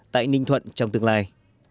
tại ninh thuận trong tương lai